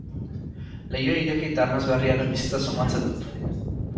Lehioa ireki eta arnas berriaren bizitza somatzen dut.